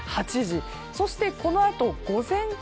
そしてこのあと午前中